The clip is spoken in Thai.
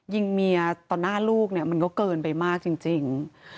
ยิงเมียต่อหน้าลูกเนี่ยมันก็เกินไปมากจริง